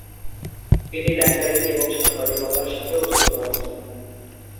তিনি লেখালেখি ও সাংবাদিকতার সাথেও যুক্ত আছেন।